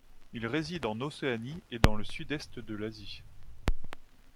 Ils résident en Océanie et dans le sud-est de l'Asie.